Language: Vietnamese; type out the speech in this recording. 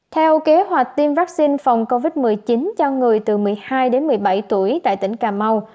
theo kế hoạch tiêm vaccine phòng covid một mươi chín cho người từ một mươi hai đến một mươi bảy tuổi tại tỉnh cà mau